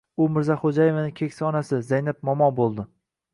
U Mirzaxo‘jaevani keksa onasi Zaynab momo bo‘ldi.